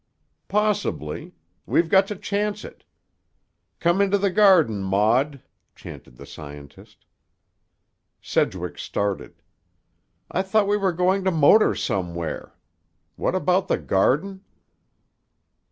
"Possibly. We've got to chance it. 'Come into the garden, Maud,'" chanted the scientist. Sedgwick started. "I thought we were going to motor somewhere. What about the garden?"